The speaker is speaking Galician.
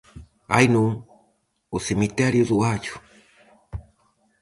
Ai non, o cemiterio do allo!